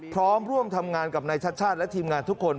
พร้อมร่วมทำงานกับนายชัดชาติและทีมงานทุกคน